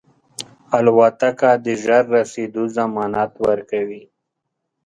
الوتکه د ژر رسېدو ضمانت ورکوي.